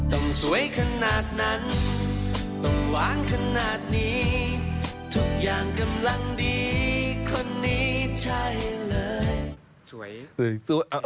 ต้องสวยขนาดนั้นต้องหวานขนาดนี้ทุกอย่างกำลังดีคนนี้ใช่เลย